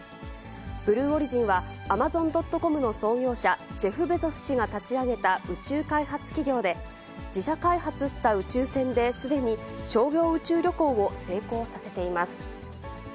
ブルーオリジンは、アマゾン・ドット・コムの創業者、ジェフ・ベゾス氏が立ち上げた宇宙開発企業で、自社開発した宇宙船で、すでに商業宇宙旅行を成功させています。